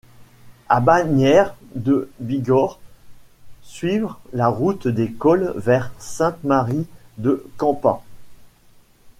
À Bagneres-de-Bigorre, suivre la route des cols vers Sainte-Marie-de-Campan.